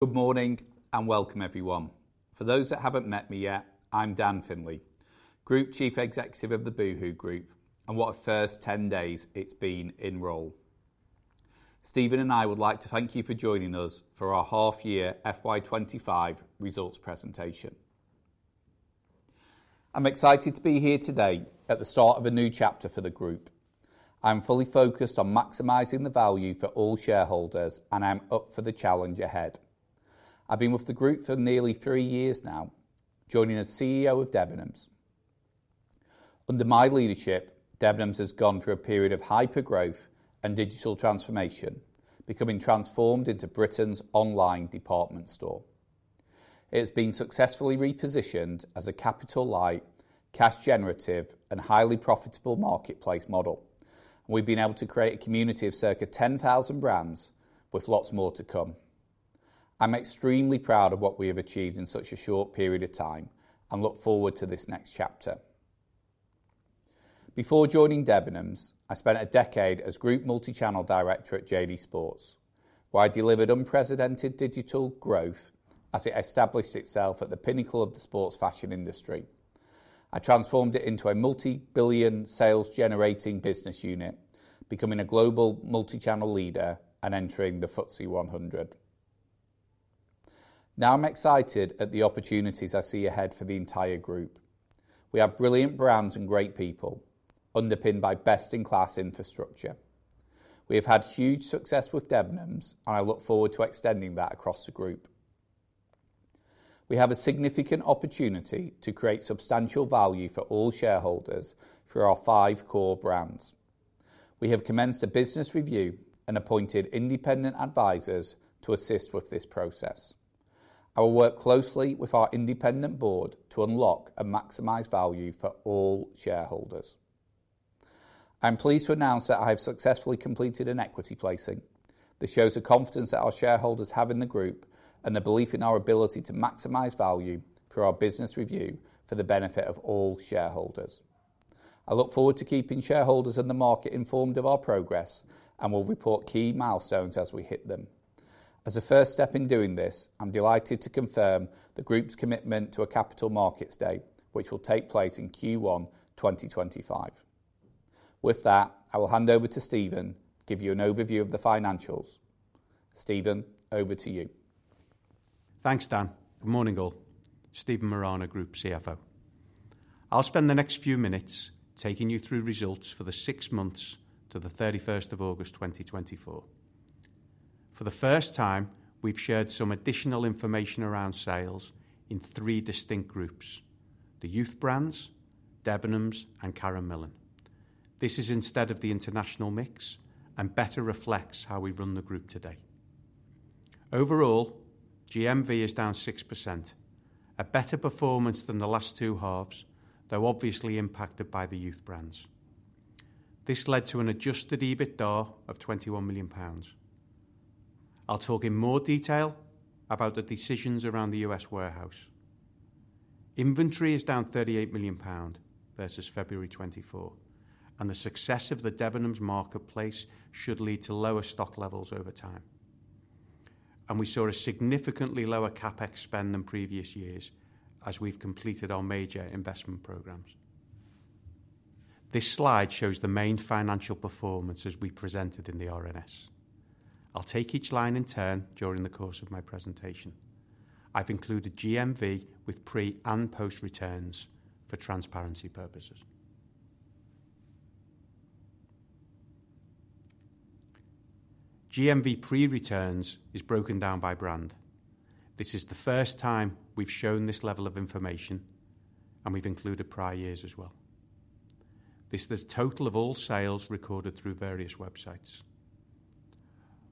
Good morning and welcome, everyone. For those that haven't met me yet, I'm Dan Finley, Group Chief Executive of the Boohoo Group, and what a first 10 days it's been in role. Stephen and I would like to thank you for joining us for our half-year FY25 results presentation. I'm excited to be here today at the start of a new chapter for the group. I'm fully focused on maximizing the value for all shareholders, and I'm up for the challenge ahead. I've been with the group for nearly three years now, joining as CEO of Debenhams. Under my leadership, Debenhams has gone through a period of hypergrowth and digital transformation, becoming transformed into Britain's online department store. It has been successfully repositioned as a capital-light, cash-generative, and highly profitable marketplace model, and we've been able to create a community of circa 10,000 brands with lots more to come. I'm extremely proud of what we have achieved in such a short period of time and look forward to this next chapter. Before joining Debenhams, I spent a decade as Group Multichannel Director at JD Sports, where I delivered unprecedented digital growth as it established itself at the pinnacle of the sports fashion industry. I transformed it into a multi-billion sales-generating business unit, becoming a global multichannel leader and entering the FTSE 100. Now I'm excited at the opportunities I see ahead for the entire group. We have brilliant brands and great people, underpinned by best-in-class infrastructure. We have had huge success with Debenhams, and I look forward to extending that across the group. We have a significant opportunity to create substantial value for all shareholders through our five core brands. We have commenced a business review and appointed independent advisors to assist with this process. I will work closely with our independent board to unlock and maximize value for all shareholders. I'm pleased to announce that I have successfully completed an equity placing. This shows the confidence that our shareholders have in the group and the belief in our ability to maximize value through our business review for the benefit of all shareholders. I look forward to keeping shareholders and the market informed of our progress and will report key milestones as we hit them. As a first step in doing this, I'm delighted to confirm the group's commitment to a capital markets day, which will take place in Q1 2025. With that, I will hand over to Stephen to give you an overview of the financials. Stephen, over to you. Thanks, Dan. Good morning, all. Stephen Morana, Group CFO. I'll spend the next few minutes taking you through results for the six months to the August 31st 2024. For the first time, we've shared some additional information around sales in three distinct groups: the youth brands, Debenhams, and Karen Millen. This is instead of the international mix and better reflects how we run the group today. Overall, GMV is down 6%, a better performance than the last two halves, though obviously impacted by the youth brands. This led to an adjusted EBITDA of £21 million. I'll talk in more detail about the decisions around the US warehouse. Inventory is down £38 million versus February 2024, and the success of the Debenhams marketplace should lead to lower stock levels over time. We saw a significantly lower CapEx spend than previous years as we've completed our major investment programs. This slide shows the main financial performance as we presented in the RNS. I'll take each line in turn during the course of my presentation. I've included GMV with pre- and post-returns for transparency purposes. GMV pre-returns is broken down by brand. This is the first time we've shown this level of information, and we've included prior years as well. This is the total of all sales recorded through various websites.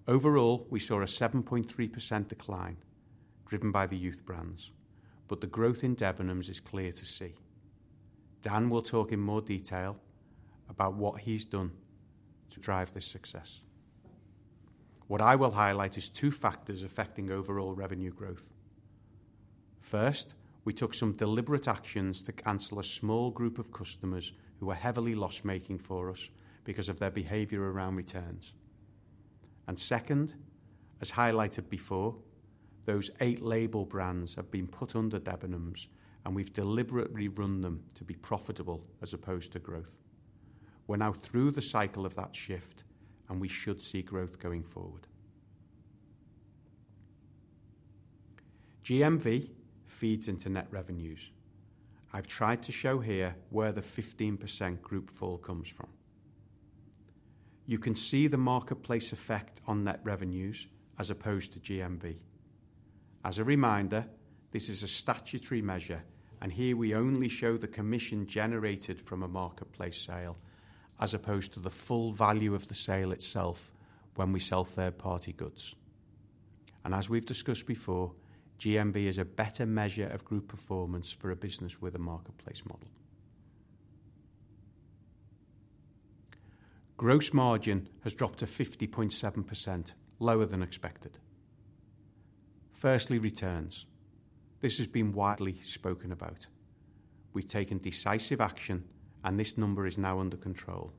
Overall, we saw a 7.3% decline driven by the youth brands, but the growth in Debenhams is clear to see. Dan will talk in more detail about what he's done to drive this success. What I will highlight is two factors affecting overall revenue growth. First, we took some deliberate actions to cancel a small group of customers who were heavily loss-making for us because of their behavior around returns. Second, as highlighted before, those eight label brands have been put under Debenhams, and we've deliberately run them to be profitable as opposed to growth. We're now through the cycle of that shift, and we should see growth going forward. GMV feeds into net revenues. I've tried to show here where the 15% group fall comes from. You can see the marketplace effect on net revenues as opposed to GMV. As a reminder, this is a statutory measure, and here we only show the commission generated from a marketplace sale as opposed to the full value of the sale itself when we sell third-party goods. And as we've discussed before, GMV is a better measure of group performance for a business with a marketplace model. Gross margin has dropped to 50.7%, lower than expected. Firstly, returns. This has been widely spoken about. We've taken decisive action, and this number is now under control.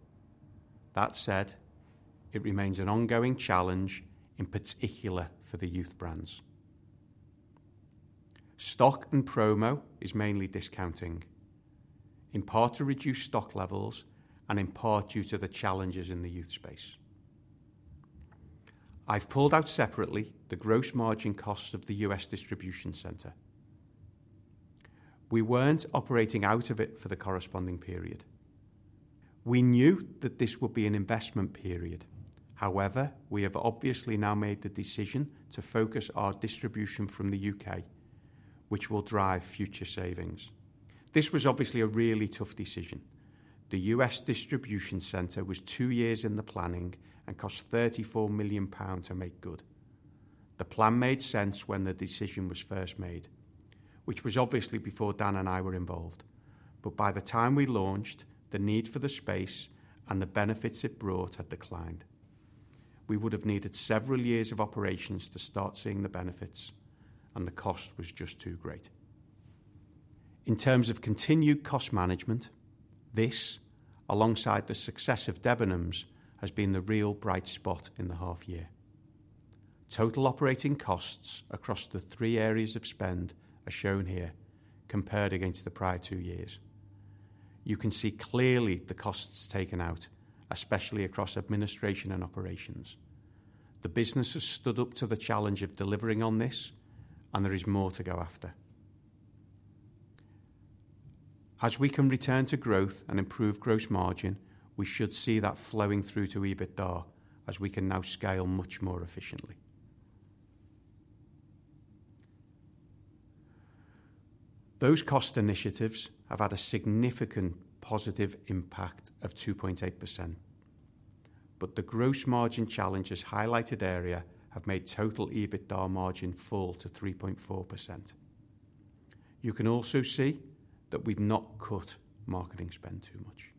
That said, it remains an ongoing challenge, in particular for the youth brands. Stock and promo is mainly discounting, in part to reduce stock levels and in part due to the challenges in the youth space. I've pulled out separately the gross margin cost of the U.S. distribution center. We weren't operating out of it for the corresponding period. We knew that this would be an investment period. However, we have obviously now made the decision to focus our distribution from the U.K., which will drive future savings. This was obviously a really tough decision. The U.S. distribution center was two years in the planning and cost 34 million pounds to make good. The plan made sense when the decision was first made, which was obviously before Dan and I were involved, but by the time we launched, the need for the space and the benefits it brought had declined. We would have needed several years of operations to start seeing the benefits, and the cost was just too great. In terms of continued cost management, this, alongside the success of Debenhams, has been the real bright spot in the half-year. Total operating costs across the three areas of spend are shown here, compared against the prior two years. You can see clearly the costs taken out, especially across administration and operations. The business has stood up to the challenge of delivering on this, and there is more to go after. As we can return to growth and improve gross margin, we should see that flowing through to EBITDA as we can now scale much more efficiently. Those cost initiatives have had a significant positive impact of 2.8%, but the gross margin challenge has highlighted areas that have made total EBITDA margin fall to 3.4%. You can also see that we've not cut marketing spend too much.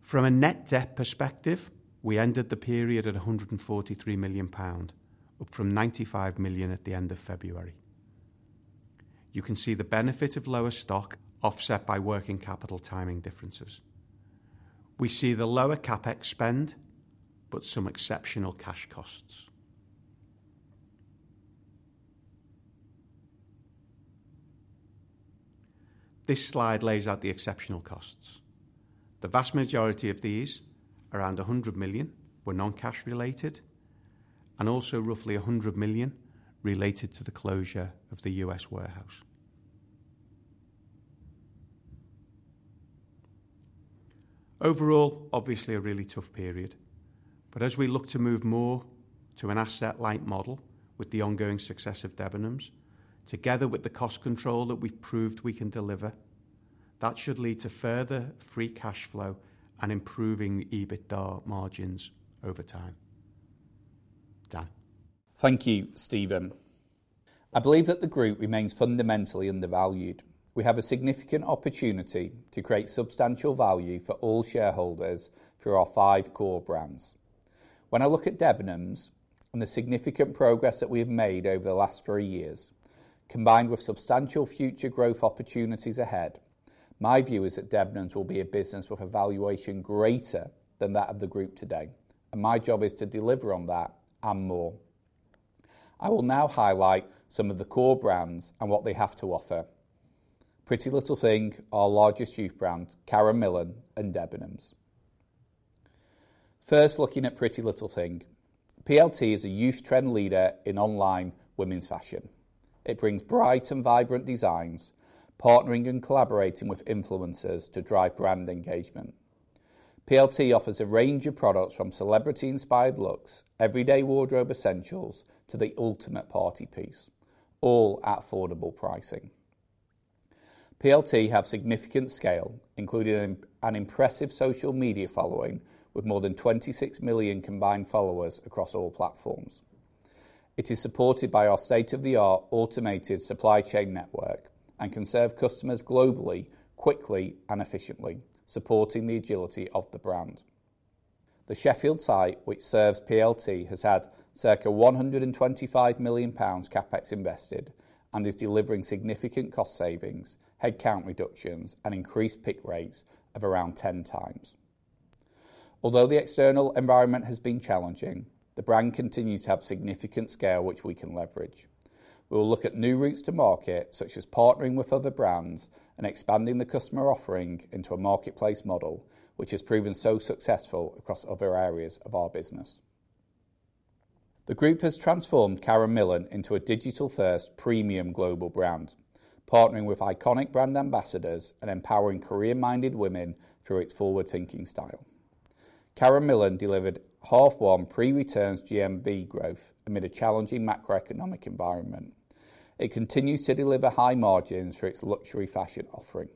From a net debt perspective, we ended the period at £143 million, up from £95 million at the end of February. You can see the benefit of lower stock offset by working capital timing differences. We see the lower CapEx spend, but some exceptional cash costs. This slide lays out the exceptional costs. The vast majority of these, around £100 million, were non-cash related, and also roughly £100 million related to the closure of the US warehouse. Overall, obviously a really tough period, but as we look to move more to an asset-light model with the ongoing success of Debenhams, together with the cost control that we've proved we can deliver, that should lead to further free cash flow and improving EBITDA margins over time. Dan. Thank you, Stephen. I believe that the group remains fundamentally undervalued. We have a significant opportunity to create substantial value for all shareholders through our five core brands. When I look at Debenhams and the significant progress that we have made over the last three years, combined with substantial future growth opportunities ahead, my view is that Debenhams will be a business with a valuation greater than that of the group today, and my job is to deliver on that and more. I will now highlight some of the core brands and what they have to offer. PrettyLittleThing, our largest youth brand, Karen Millen, and Debenhams. First, looking at PrettyLittleThing, PLT is a youth trend leader in online women's fashion. It brings bright and vibrant designs, partnering and collaborating with influencers to drive brand engagement. PLT offers a range of products from celebrity-inspired looks, everyday wardrobe essentials, to the ultimate party piece, all at affordable pricing. PLT has significant scale, including an impressive social media following with more than 26 million combined followers across all platforms. It is supported by our state-of-the-art automated supply chain network and can serve customers globally quickly and efficiently, supporting the agility of the brand. The Sheffield site, which serves PLT, has had circa £125 million CapEx invested and is delivering significant cost savings, headcount reductions, and increased pick rates of around 10x. Although the external environment has been challenging, the brand continues to have significant scale, which we can leverage. We will look at new routes to market, such as partnering with other brands and expanding the customer offering into a marketplace model, which has proven so successful across other areas of our business. The group has transformed Karen Millen into a digital-first premium global brand, partnering with iconic brand ambassadors and empowering career-minded women through its forward-thinking style. Karen Millen delivered half-one pre-returns GMV growth amid a challenging macroeconomic environment. It continues to deliver high margins for its luxury fashion offering.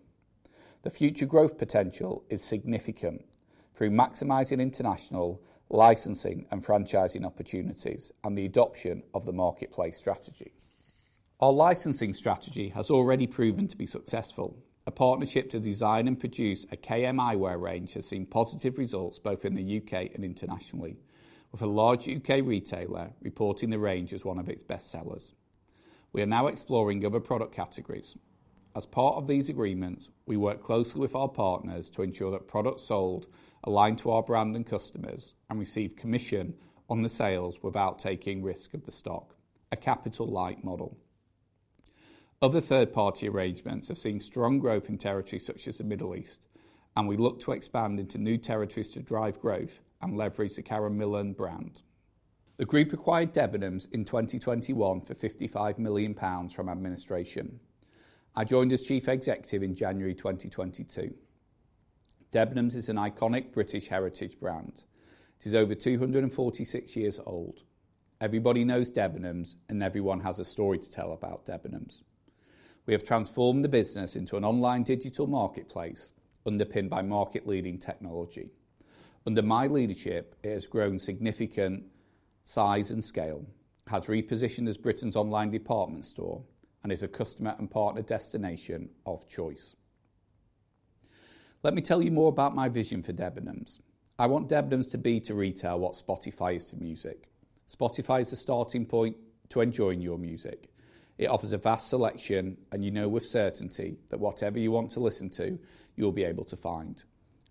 The future growth potential is significant through maximizing international licensing and franchising opportunities and the adoption of the marketplace strategy. Our licensing strategy has already proven to be successful. A partnership to design and produce a KM wear range has seen positive results both in the UK and internationally, with a large UK retailer reporting the range as one of its best sellers. We are now exploring other product categories. As part of these agreements, we work closely with our partners to ensure that products sold align to our brand and customers and receive commission on the sales without taking risk of the stock, a capital-light model. Other third-party arrangements have seen strong growth in territories such as the Middle East, and we look to expand into new territories to drive growth and leverage the Karen Millen brand. The group acquired Debenhams in 2021 for £55 million from administration. I joined as Chief Executive in January 2022. Debenhams is an iconic British heritage brand. It is over 246 years old. Everybody knows Debenhams, and everyone has a story to tell about Debenhams. We have transformed the business into an online digital marketplace underpinned by market-leading technology. Under my leadership, it has grown significant size and scale, has repositioned as Britain's online department store, and is a customer and partner destination of choice. Let me tell you more about my vision for Debenhams. I want Debenhams to be to retail what Spotify is to music. Spotify is a starting point to enjoying your music. It offers a vast selection, and you know with certainty that whatever you want to listen to, you'll be able to find.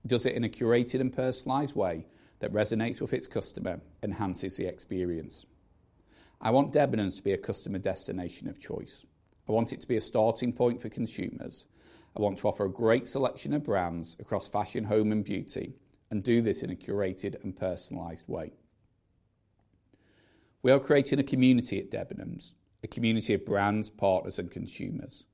It does it in a curated and personalized way that resonates with its customer and enhances the experience. I want Debenhams to be a customer destination of choice. I want it to be a starting point for consumers. I want to offer a great selection of brands across fashion, home, and beauty, and do this in a curated and personalized way. We are creating a community at Debenhams, a community of brands, partners, and consumers.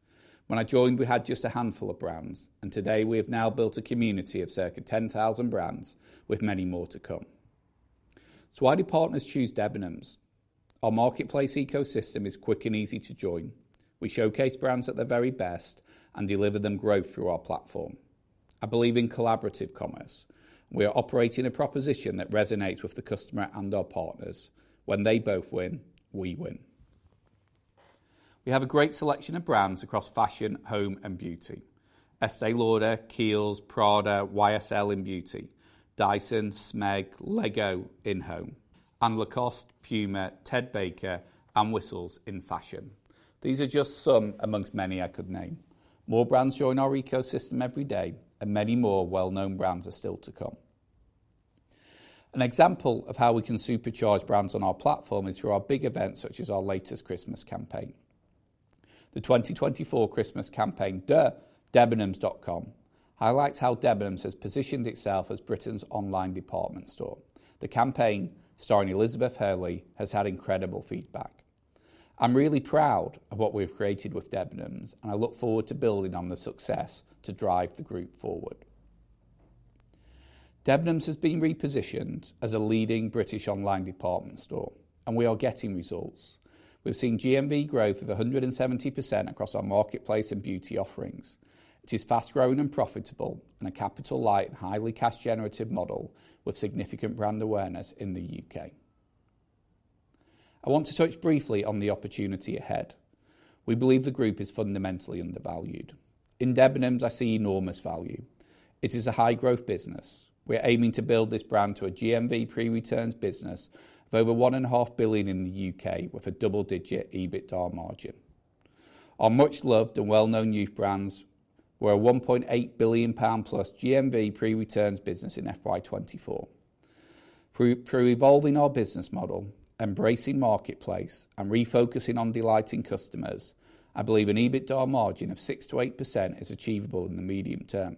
When I joined, we had just a handful of brands, and today we have now built a community of circa 10,000 brands, with many more to come. So why do partners choose Debenhams? Our marketplace ecosystem is quick and easy to join. We showcase brands at their very best and deliver them growth through our platform. I believe in collaborative commerce. We are operating a proposition that resonates with the customer and our partners. When they both win, we win. We have a great selection of brands across fashion, home, and beauty: Estée Lauder, Kiehl's, Prada, YSL in beauty, Dyson, Smeg, LEGO in home, and Lacoste, Puma, Ted Baker, and Whistles in fashion. These are just some amongst many I could name. More brands join our ecosystem every day, and many more well-known brands are still to come. An example of how we can supercharge brands on our platform is through our big events, such as our latest Christmas campaign. The 2024 Christmas campaign, Debenhams.com, highlights how Debenhams has positioned itself as Britain's online department store. The campaign, starring Elizabeth Hurley, has had incredible feedback. I'm really proud of what we've created with Debenhams, and I look forward to building on the success to drive the group forward. Debenhams has been repositioned as a leading British online department store, and we are getting results. We've seen GMV growth of 170% across our marketplace and beauty offerings. It is fast-growing and profitable, and a capital-light, highly cash-generative model with significant brand awareness in the UK. I want to touch briefly on the opportunity ahead. We believe the group is fundamentally undervalued. In Debenhams, I see enormous value. It is a high-growth business. We're aiming to build this brand to a GMV pre-returns business of over £1.5 billion in the UK, with a double-digit EBITDA margin. Our much-loved and well-known youth brands were a £1.8 billion+ GMV pre-returns business in FY24. Through evolving our business model, embracing marketplace, and refocusing on delighting customers, I believe an EBITDA margin of 6% to 8% is achievable in the medium term.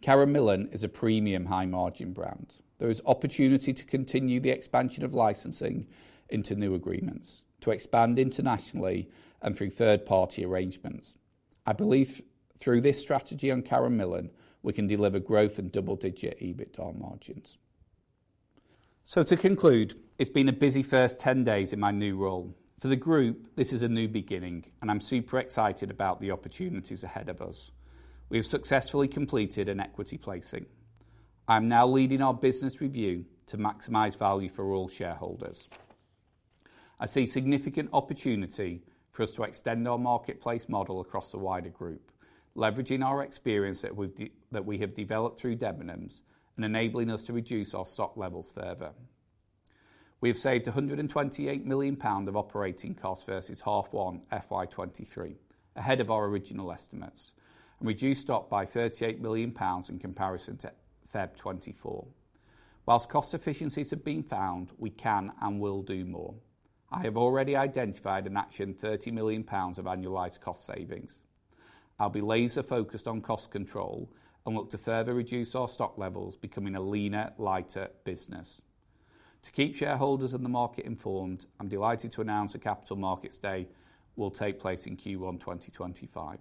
Karen Millen is a premium high-margin brand. There is opportunity to continue the expansion of licensing into new agreements, to expand internationally, and through third-party arrangements. I believe through this strategy on Karen Millen, we can deliver growth and double-digit EBITDA margins. So to conclude, it's been a busy first 10 days in my new role. For the group, this is a new beginning, and I'm super excited about the opportunities ahead of us. We have successfully completed an equity placing. I'm now leading our business review to maximize value for all shareholders. I see significant opportunity for us to extend our marketplace model across a wider group, leveraging our experience that we have developed through Debenhams and enabling us to reduce our stock levels further. We have saved 128 million pounds of operating costs versus H1 FY23, ahead of our original estimates, and reduced stock by GBP 38 million in comparison to February 2024. While cost efficiencies have been found, we can and will do more. I have already identified and actioned 30 million pounds of annualized cost savings. I'll be laser-focused on cost control and look to further reduce our stock levels, becoming a leaner, lighter business. To keep shareholders and the market informed, I'm delighted to announce the Capital Markets Day will take place in Q1 2025.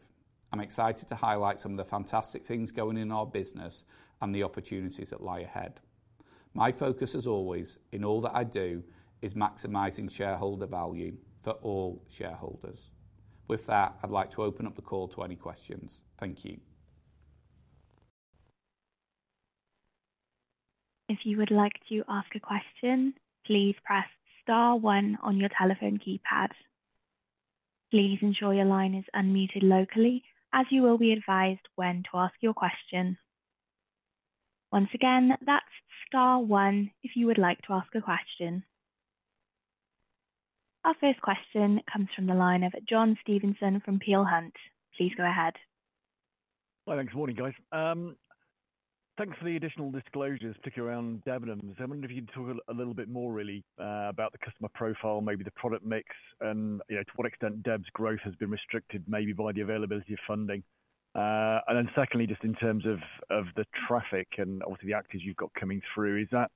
I'm excited to highlight some of the fantastic things going in our business and the opportunities that lie ahead. My focus, as always, in all that I do, is maximizing shareholder value for all shareholders. With that, I'd like to open up the call to any questions. Thank you. If you would like to ask a question, please press star one on your telephone keypad. Please ensure your line is unmuted locally, as you will be advised when to ask your question. Once again, that's star one if you would like to ask a question. Our first question comes from the line of John Stevenson from Peel Hunt. Please go ahead. Hi, thanks. Morning, guys. Thanks for the additional disclosures, particularly around Debenhams. I wonder if you'd talk a little bit more, really, about the customer profile, maybe the product mix, and to what extent Deb's growth has been restricted, maybe by the availability of funding. And then secondly, just in terms of the traffic and obviously the orders you've got coming through, to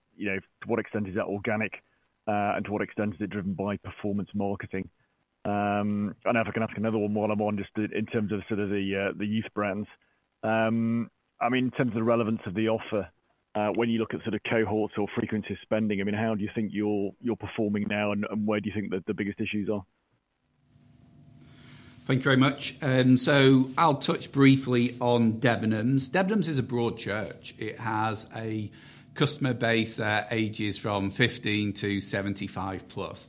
what extent is that organic, and to what extent is it driven by performance marketing? And I can ask another one while I'm on, just in terms of sort of the youth brands. I mean, in terms of the relevance of the offer, when you look at sort of cohorts or frequency of spending, I mean, how do you think you're performing now, and where do you think the biggest issues are? Thank you very much. So I'll touch briefly on Debenhams. Debenhams is a broad church. It has a customer base that ages from 15 to 75+.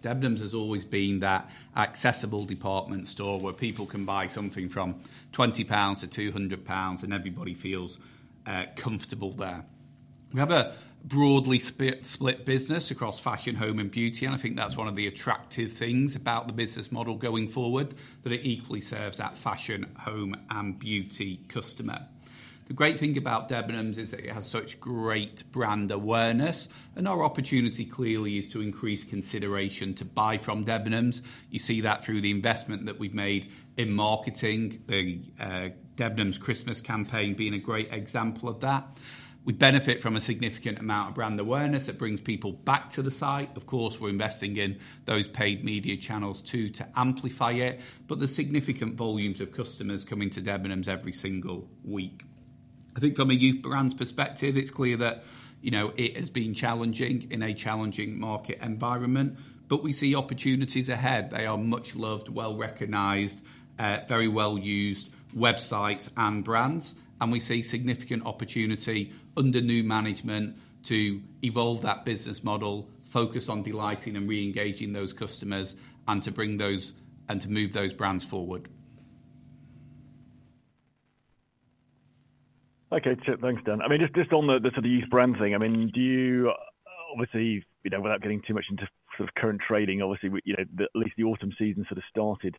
Debenhams has always been that accessible department store where people can buy something from 20 pounds to 200 pounds, and everybody feels comfortable there. We have a broadly split business across fashion, home, and beauty, and I think that's one of the attractive things about the business model going forward, that it equally serves that fashion, home, and beauty customer. The great thing about Debenhams is that it has such great brand awareness, and our opportunity clearly is to increase consideration to buy from Debenhams. You see that through the investment that we've made in marketing, the Debenhams Christmas campaign being a great example of that. We benefit from a significant amount of brand awareness that brings people back to the site. Of course, we're investing in those paid media channels too to amplify it, but the significant volumes of customers coming to Debenhams every single week. I think from a youth brand's perspective, it's clear that it has been challenging in a challenging market environment, but we see opportunities ahead. They are much-loved, well-recognized, very well-used websites and brands, and we see significant opportunity under new management to evolve that business model, focus on delighting and re-engaging those customers, and to bring those and to move those brands forward. Okay, thanks, Dan. I mean, just on the sort of youth brand thing, I mean, do you obviously, without getting too much into sort of current trading, obviously, at least the autumn season sort of started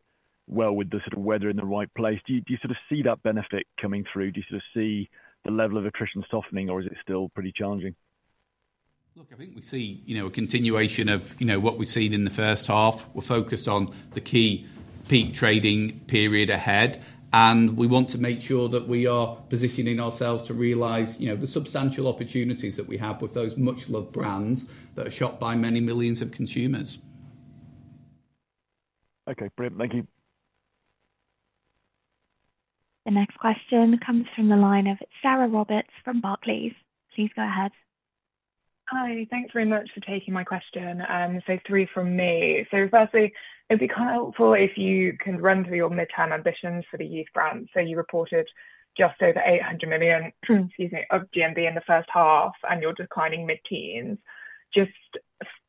well with the sort of weather in the right place. Do you sort of see that benefit coming through? Do you sort of see the level of attrition softening, or is it still pretty challenging? Look, I think we see a continuation of what we've seen in the first half. We're focused on the key peak trading period ahead, and we want to make sure that we are positioning ourselves to realize the substantial opportunities that we have with those much-loved brands that are sought by many millions of consumers. Okay, brilliant. Thank you. The next question comes from the line of Sarah Roberts from Barclays. Please go ahead. Hi, thanks very much for taking my question. So three from me. So firstly, it'd be kind of helpful if you can run through your mid-term ambitions for the youth brand. So you reported just over 800 million, excuse me, of GMV in the first half, and you're declining mid-teens. Just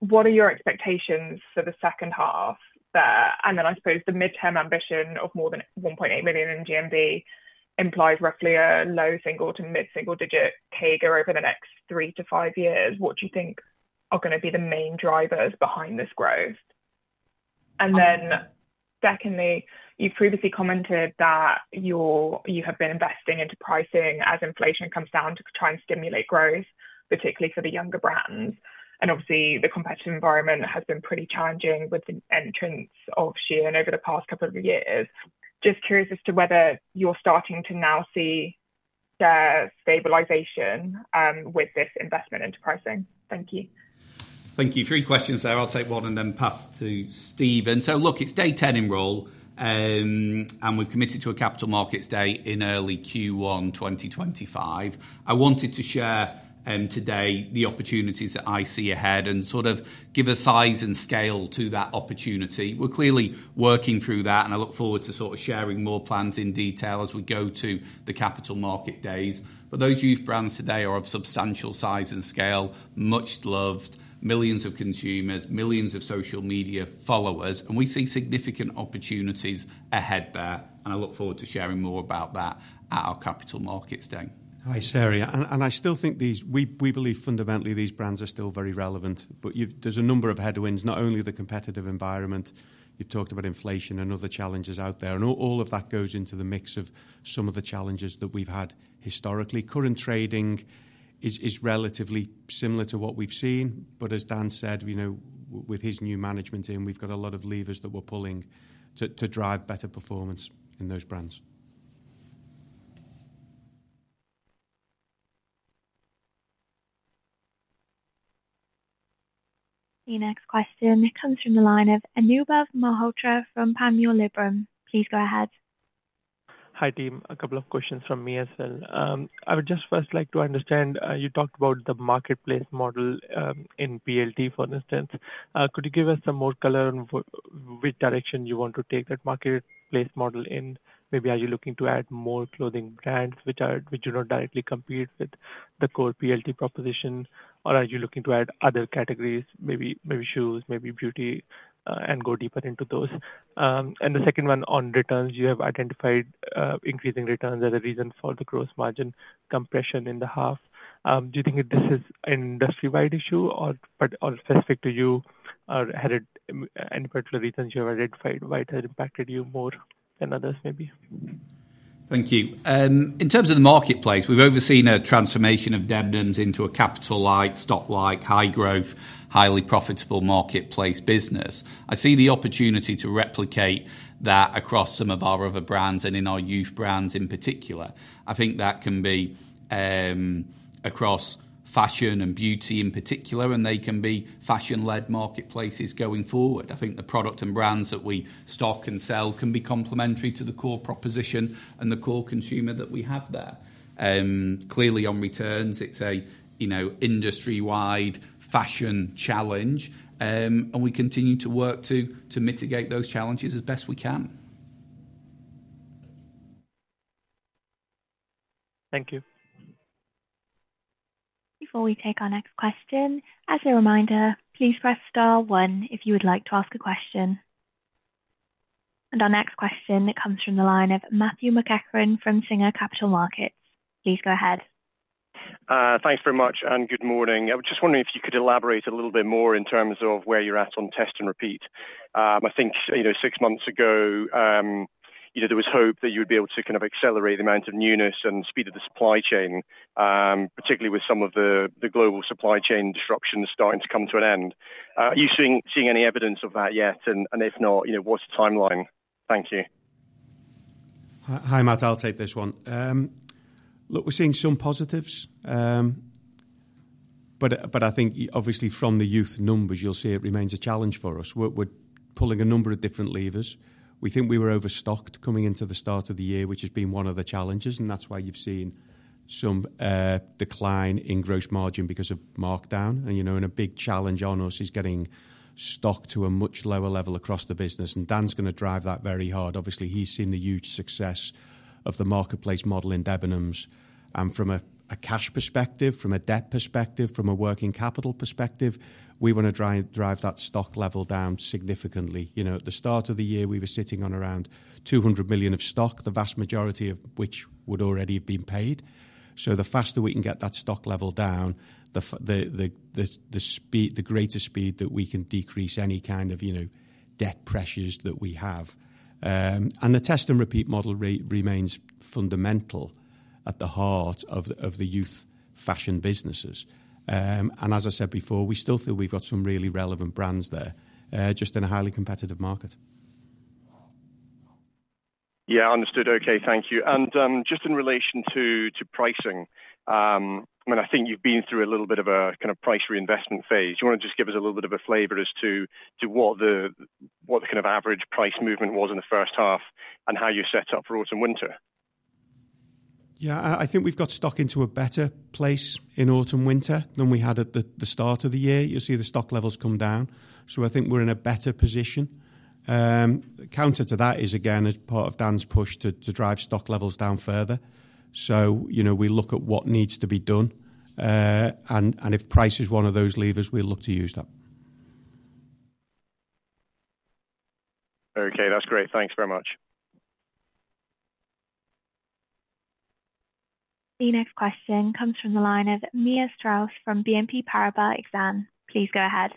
what are your expectations for the second half? And then I suppose the mid-term ambition of more than 1.8 million in GMV implies roughly a low single- to mid-single-digit CAGR over the next three to five years. What do you think are going to be the main drivers behind this growth? And then secondly, you've previously commented that you have been investing into pricing as inflation comes down to try and stimulate growth, particularly for the younger brands. And obviously, the competitive environment has been pretty challenging with the entrance of Shein over the past couple of years. Just curious as to whether you're starting to now see stabilization with this investment into pricing. Thank you. Thank you. Three questions there. I'll take one and then pass to Stephen. So look, it's day 10 in role, and we've committed to a Capital Markets Day in early Q1 2025. I wanted to share today the opportunities that I see ahead and sort of give a size and scale to that opportunity. We're clearly working through that, and I look forward to sort of sharing more plans in detail as we go to the Capital Markets Day. But those youth brands today are of substantial size and scale, much-loved, millions of consumers, millions of social media followers, and we see significant opportunities ahead there. And I look forward to sharing more about that at our Capital Markets Day. Hi, Sarah. And I still think these we believe fundamentally these brands are still very relevant, but there's a number of headwinds, not only the competitive environment. You've talked about inflation and other challenges out there, and all of that goes into the mix of some of the challenges that we've had historically. Current trading is relatively similar to what we've seen, but as Dan said, with his new management team, we've got a lot of levers that we're pulling to drive better performance in those brands. The next question comes from the line of Anubhav Malhotra from Panmure Liberum. Please go ahead. Hi, team. A couple of questions from me as well. I would just first like to understand, you talked about the marketplace model in PLT, for instance. Could you give us some more color on which direction you want to take that marketplace model in? Maybe are you looking to add more clothing brands which do not directly compete with the core PLT proposition, or are you looking to add other categories, maybe shoes, maybe beauty, and go deeper into those? And the second one on returns, you have identified increasing returns as a reason for the gross margin compression in the half. Do you think this is an industry-wide issue, but specific to you, or are there any particular reasons you have identified why it has impacted you more than others, maybe? Thank you. In terms of the marketplace, we've overseen a transformation of Debenhams into a capital-light, stock-light, high-growth, highly profitable marketplace business. I see the opportunity to replicate that across some of our other brands and in our youth brands in particular. I think that can be across fashion and beauty in particular, and they can be fashion-led marketplaces going forward. I think the product and brands that we stock and sell can be complementary to the core proposition and the core consumer that we have there. Clearly, on returns, it's an industry-wide fashion challenge, and we continue to work to mitigate those challenges as best we can. Thank you. Before we take our next question, as a reminder, please press star one if you would like to ask a question, and our next question, it comes from the line of Matthew McEachran from Singer Capital Markets. Please go ahead. Thanks very much, and good morning. I was just wondering if you could elaborate a little bit more in terms of where you're at on test and repeat. I think six months ago, there was hope that you would be able to kind of accelerate the amount of newness and speed of the supply chain, particularly with some of the global supply chain disruptions starting to come to an end. Are you seeing any evidence of that yet? And if not, what's the timeline? Thank you. Hi, Matt. I'll take this one. Look, we're seeing some positives, but I think obviously from the youth numbers, you'll see it remains a challenge for us. We're pulling a number of different levers. We think we were overstocked coming into the start of the year, which has been one of the challenges, and that's why you've seen some decline in gross margin because of markdown. And a big challenge on us is getting stock to a much lower level across the business. And Dan's going to drive that very hard. Obviously, he's seen the huge success of the marketplace model in Debenhams. And from a cash perspective, from a debt perspective, from a working capital perspective, we want to drive that stock level down significantly. At the start of the year, we were sitting on around 200 million of stock, the vast majority of which would already have been paid. So the faster we can get that stock level down, the greater speed that we can decrease any kind of debt pressures that we have. And the test and repeat model remains fundamental at the heart of the youth fashion businesses. And as I said before, we still feel we've got some really relevant brands there, just in a highly competitive market. Yeah, understood. Okay, thank you. And just in relation to pricing, I mean, I think you've been through a little bit of a kind of price reinvestment phase. Do you want to just give us a little bit of a flavor as to what the kind of average price movement was in the first half and how you set up for autumn/winter? Yeah, I think we've got stock into a better place in autumn/winter than we had at the start of the year. You'll see the stock levels come down. So I think we're in a better position. Counter to that is, again, as part of Dan's push to drive stock levels down further. So we look at what needs to be done, and if price is one of those levers, we'll look to use that. Okay, that's great. Thanks very much. The next question comes from the line of Mia Strauss from BNP Paribas Exane. Please go ahead.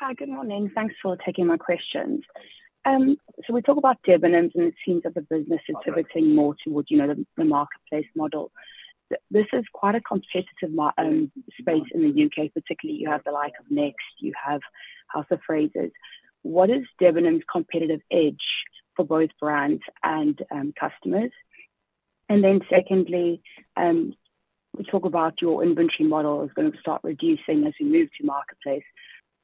Hi, good morning. Thanks for taking my questions. So we talk about Debenhams, and it seems that the business is pivoting more towards the marketplace model. This is quite a competitive space in the U.K., particularly you have the like of Next, you have House of Fraser. What is Debenhams' competitive edge for both brands and customers? And then secondly, we talk about your inventory model is going to start reducing as we move to marketplace.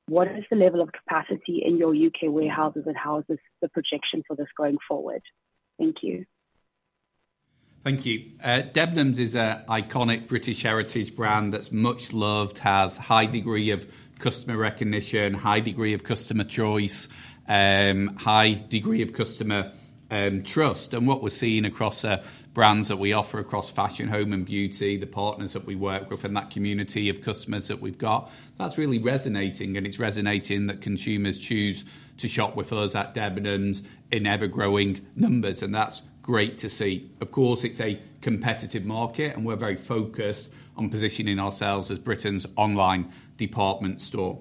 What is the level of capacity in your U.K. warehouses, and how is the projection for this going forward? Thank you. Thank you. Debenhams is an iconic British heritage brand that's much loved, has a high degree of customer recognition, high degree of customer choice, high degree of customer trust, and what we're seeing across the brands that we offer across fashion, home, and beauty, the partners that we work with, and that community of customers that we've got, that's really resonating, and it's resonating that consumers choose to shop with us at Debenhams in ever-growing numbers, and that's great to see. Of course, it's a competitive market, and we're very focused on positioning ourselves as Britain's online department store.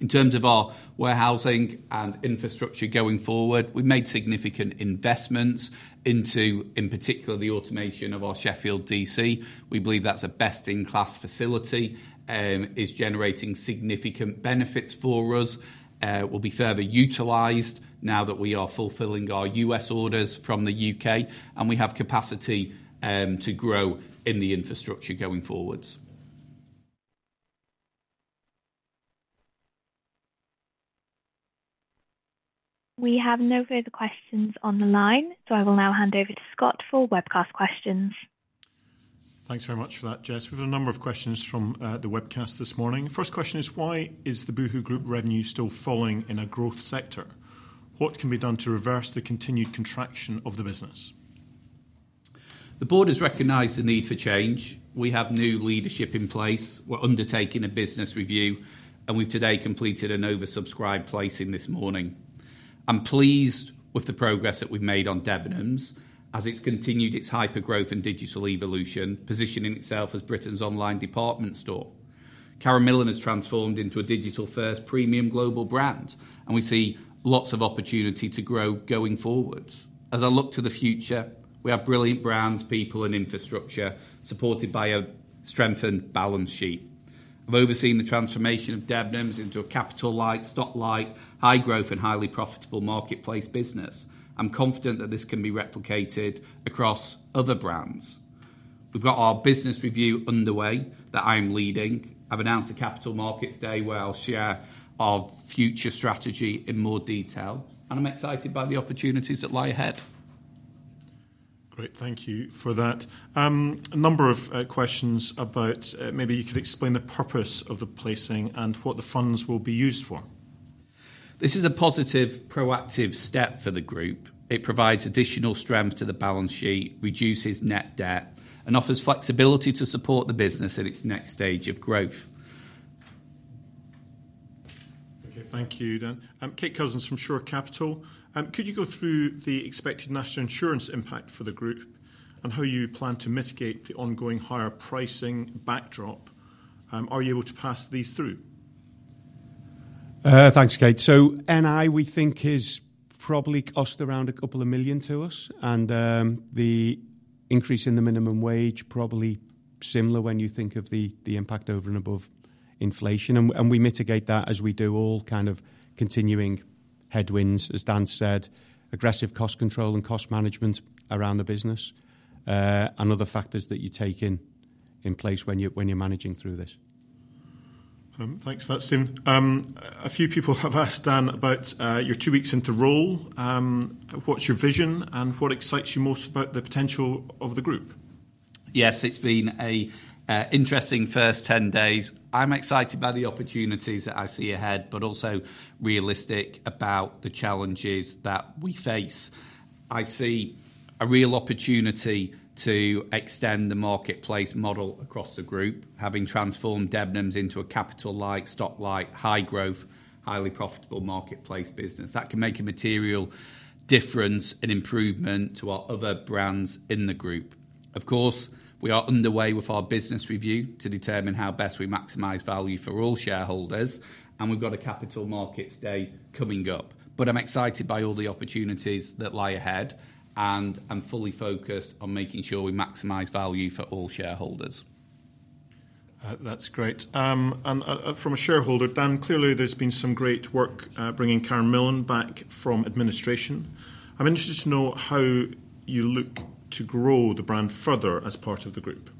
In terms of our warehousing and infrastructure going forward, we've made significant investments into, in particular, the automation of our Sheffield D.C. We believe that's a best-in-class facility, is generating significant benefits for us, will be further utilized now that we are fulfilling our U.S. orders from the U.K., and we have capacity to grow in the infrastructure going forward. We have no further questions on the line, so I will now hand over to Scott for webcast questions. Thanks very much for that, Jess. We've had a number of questions from the webcast this morning. First question is, why is the Boohoo Group revenue still falling in a growth sector? What can be done to reverse the continued contraction of the business? The board has recognized the need for change. We have new leadership in place. We're undertaking a business review, and we've today completed an oversubscribed placing this morning. I'm pleased with the progress that we've made on Debenhams as it's continued its hyper-growth and digital evolution, positioning itself as Britain's online department store. Karen Millen has transformed into a digital-first premium global brand, and we see lots of opportunity to grow going forwards. As I look to the future, we have brilliant brands, people, and infrastructure supported by a strengthened balance sheet. I've overseen the transformation of Debenhams into a capital-light, stock-light, high-growth, and highly profitable marketplace business. I'm confident that this can be replicated across other brands. We've got our business review underway that I am leading. I've announced the Capital Markets Day where I'll share our future strategy in more detail, and I'm excited by the opportunities that lie ahead. Great. Thank you for that. A number of questions about, maybe you could explain the purpose of the placing and what the funds will be used for? This is a positive, proactive step for the group. It provides additional strength to the balance sheet, reduces net debt, and offers flexibility to support the business at its next stage of growth. Okay, thank you, Dan. Kate Cozens from Shore Capital. Could you go through the expected National Insurance impact for the group and how you plan to mitigate the ongoing higher pricing backdrop? Are you able to pass these through? Thanks, Kate. So NI, we think, has probably cost around a couple of million to us, and the increase in the minimum wage is probably similar when you think of the impact over and above inflation, and we mitigate that as we do all kind of continuing headwinds, as Dan said, aggressive cost control and cost management around the business, and other factors that you take in place when you're managing through this. Thanks for that, Sim. A few people have asked Dan about your two weeks into role. What's your vision, and what excites you most about the potential of the group? Yes, it's been an interesting first 10 days. I'm excited by the opportunities that I see ahead, but also realistic about the challenges that we face. I see a real opportunity to extend the marketplace model across the group, having transformed Debenhams into a capital-light, stock-light, high-growth, highly profitable marketplace business. That can make a material difference and improvement to our other brands in the group. Of course, we are underway with our business review to determine how best we maximize value for all shareholders, and we've got a Capital Markets Day coming up. But I'm excited by all the opportunities that lie ahead, and I'm fully focused on making sure we maximize value for all shareholders. That's great. And from a shareholder, Dan, clearly there's been some great work bringing Karen Millen back from administration. I'm interested to know how you look to grow the brand further as part of the group.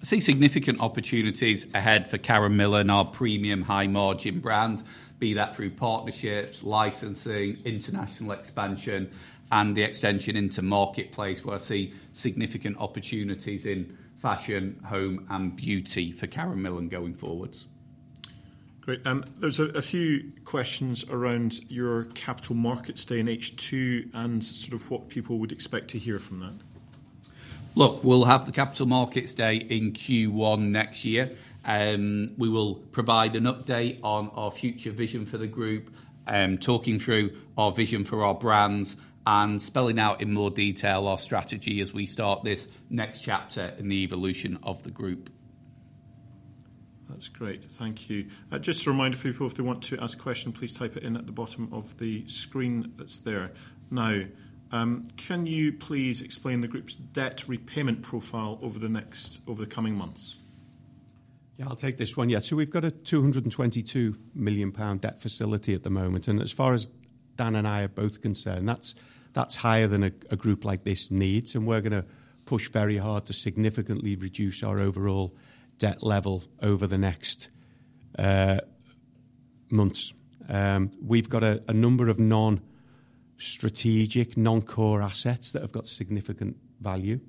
I see significant opportunities ahead for Karen Millen, our premium high-margin brand, be that through partnerships, licensing, international expansion, and the extension into marketplace where I see significant opportunities in fashion, home, and beauty for Karen Millen going forward. Great. There's a few questions around your capital markets day in H2 and sort of what people would expect to hear from that. Look, we'll have the Capital Markets Day in Q1 next year. We will provide an update on our future vision for the group, talking through our vision for our brands, and spelling out in more detail our strategy as we start this next chapter in the evolution of the group. That's great. Thank you. Just a reminder for people, if they want to ask a question, please type it in at the bottom of the screen that's there. Now, can you please explain the group's debt repayment profile over the coming months? Yeah, I'll take this one. Yeah, so we've got a 222 million pound debt facility at the moment, and as far as Dan and I are both concerned, that's higher than a group like this needs, and we're going to push very hard to significantly reduce our overall debt level over the next months. We've got a number of non-strategic, non-core assets that have got significant value.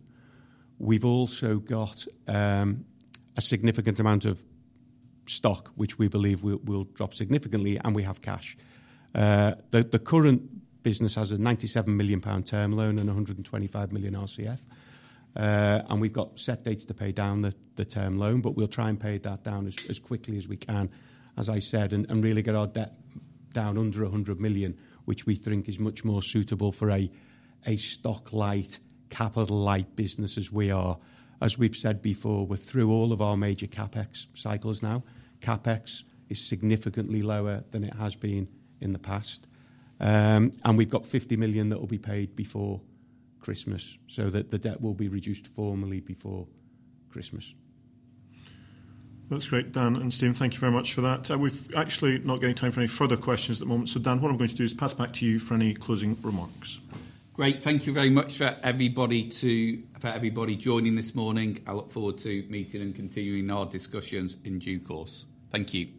We've also got a significant amount of stock, which we believe will drop significantly, and we have cash. The current business has a 97 million pound term loan and 125 million RCF, and we've got set dates to pay down the term loan, but we'll try and pay that down as quickly as we can, as I said, and really get our debt down under 100 million, which we think is much more suitable for a stock-light, capital-light business as we are. As we've said before, we're through all of our major CapEx cycles now. CapEx is significantly lower than it has been in the past, and we've got 50 million that will be paid before Christmas, so that the debt will be reduced formally before Christmas. That's great, Dan. And, Sim, thank you very much for that. We've actually not got any time for any further questions at the moment. So, Dan, what I'm going to do is pass back to you for any closing remarks. Great. Thank you very much for everybody joining this morning. I look forward to meeting and continuing our discussions in due course. Thank you.